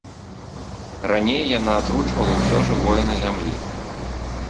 Раней яна атручвала ўсё жывое на зямлі.